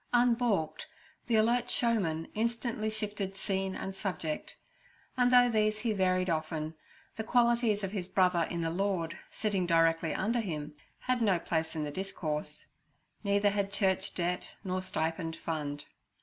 Unbaulked, the alert showman instantly shifted scene and subject, and though these he varied often, the qualities of his brother in the Lord sitting directly under him had no place in the discourse, neither had church debt nor stipend fund.